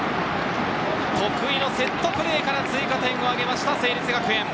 得意のセットプレーから追加点を挙げました、成立学園！